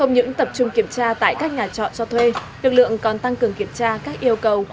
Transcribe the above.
những tập trung kiểm tra tại các nhà trọ cho thuê lực lượng còn tăng cường kiểm tra các yêu cầu